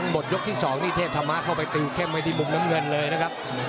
หมดยกที่๒นี่เทพธรรมะเข้าไปติวเข้มไว้ที่มุมน้ำเงินเลยนะครับ